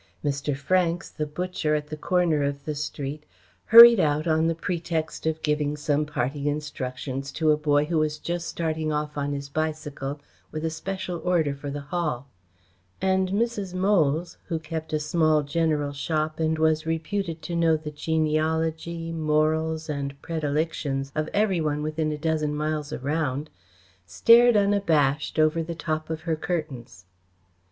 Mr. Franks, the butcher at the corner of the street, hurried out on the pretext of giving some parting instructions to a boy who was just starting off on his bicycle with a special order for the Hall, and Mrs. Moles, who kept a small general shop and was reputed to know the genealogy, morals and predilections of every one within a dozen miles around, stared unabashed over the top of her curtains.